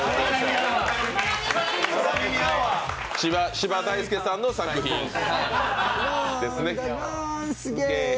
芝大輔さんの作品ですね。